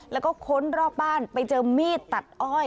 แล้วก็ค้นรอบบ้านไปเจอมีดตัดอ้อย